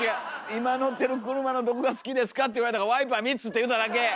「今乗ってる車のどこが好きですか？」って言われたからワイパー３つって言うただけ！